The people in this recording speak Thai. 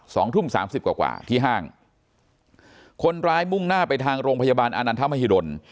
สองทุ่มสามสิบกว่ากว่าที่ห้างคนร้ายมุ่งหน้าไปทางโรงพยาบาลอานันทมหิดล